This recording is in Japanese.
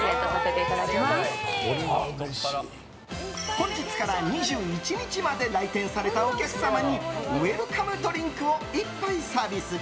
本日から２１日まで来店されたお客様にウェルカムドリンクを１杯サービス。